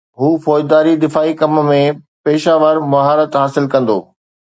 هو فوجداري دفاعي ڪم ۾ پيشه ور مهارت حاصل ڪندو